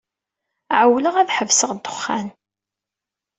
Ɛewwleɣ ad ḥebseɣ ddexxan.